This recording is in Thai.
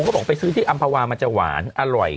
เขาบอกไปซื้อที่อำภาวามันจะหวานอร่อย